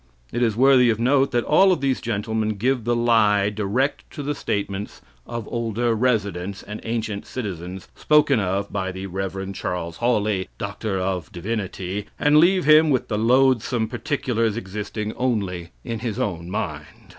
It is worthy of note that all of these gentlemen give the lie direct to the statements of "older residents" and ancient citizens spoken of by the Rev. Charles Hawley, D.D., and leave him with the "loathsome particulars" existing only in his own mind.